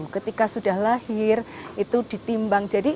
ketika sudah lahir itu ditimbang